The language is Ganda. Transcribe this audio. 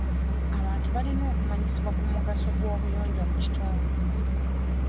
Abantu balina okumanyisibwa ku mugaso gw'obuyonjo mu kitundu.